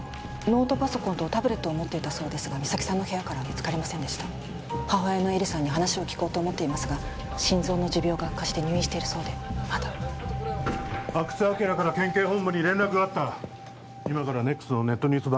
ノートパソコンとタブレットを持っていたそうですが実咲さんの部屋からは見つかりませんでした母親の絵里さんに話を聞こうと思っていますが心臓の持病が悪化して入院しているそうでまだ阿久津晃から県警本部に連絡があった今からＮＥＸのネットニュース